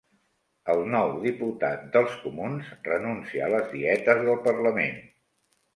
El nou diputat dels comuns renuncia a les dietes del parlament